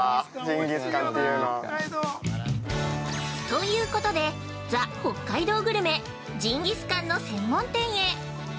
◆ということで、ザ・北海道グルメ「ジンギスカン」の専門店へ。